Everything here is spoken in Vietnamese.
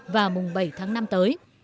và mùng bảy tháng năm tới